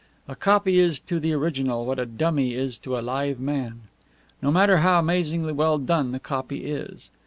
A copy is to the original what a dummy is to a live man, no matter how amazingly well done the copy is.